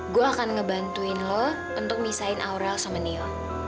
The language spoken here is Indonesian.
gua akan ngebantuin lo untuk misahin aurel sama neo